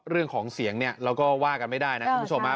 เรื่องของเสียงเนี่ยเราก็ว่ากันไม่ได้นะคุณผู้ชม